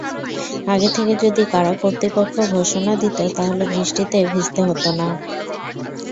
আগে থেকে যদি কারা কর্তৃপক্ষ ঘোষণা দিত, তাহলে বৃষ্টিতে ভিজতে হতো না।